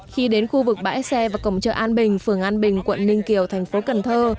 khi đến khu vực bãi xe và cổng chợ an bình phường an bình quận ninh kiều thành phố cần thơ